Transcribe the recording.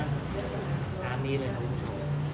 น้ำนี้เลยนะคุณผู้ชม